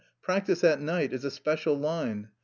Practice at night is a special line.